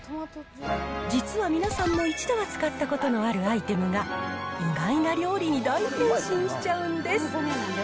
実は皆さんも一度は使ったことのあるアイテムが、意外な料理に大変身しちゃうんです。